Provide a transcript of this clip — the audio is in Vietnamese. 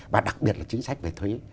và đặc biệt là chính sách về thuế